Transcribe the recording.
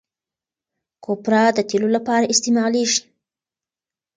کوپره د تېلو لپاره استعمالیږي.